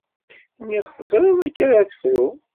Niɣ teẓriḍ akka ara tefru.